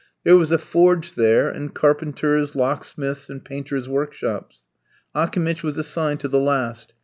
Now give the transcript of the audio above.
There was a forge there, and carpenters', locksmiths', and painters' workshops. Akimitch was assigned to the last.